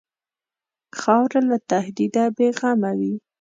خاوره له تهدیده بېغمه وي.